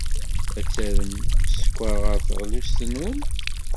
Ad terrem sskeṛ ɣer teɣlust-nwen?